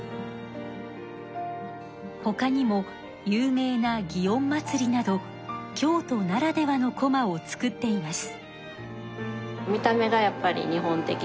ほかにも有名な園祭など京都ならではのこまを作っています。